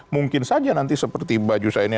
mungkin saja nanti seperti mbak jusa ini